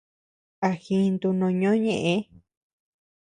A jintu noo ñoʼö ñeʼë.